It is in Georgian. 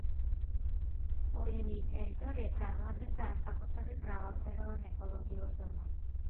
ბოლივიის ტერიტორია წარმოადგენს განსაკუთრებით მრავალფეროვან ეკოლოგიურ ზონას.